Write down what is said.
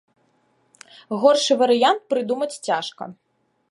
Горшы варыянт прыдумаць цяжка.